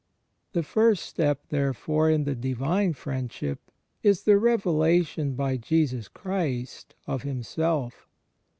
The first step therefore in the Divine Friendship is the revelation by Jesus Christ of Himself.